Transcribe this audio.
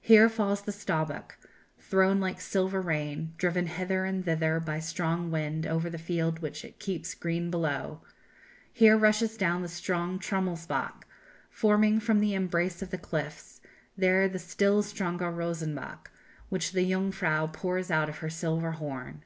Here falls the Staubbach, thrown like silver rain, driven hither and thither by the wind over the field which it keeps green below; here rushes down the strong Trummelsbach, foaming from the embrace of the cliffs; there the still stronger Rosenbach, which the Jungfrau pours out of her silver horn.